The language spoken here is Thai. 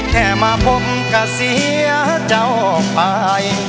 แค่มาผมก็เสียเจ้าไป